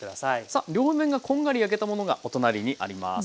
さあ両面がこんがり焼けたものがお隣にあります。